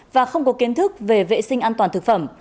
và không có kiến thức về vệ sinh an toàn thực phẩm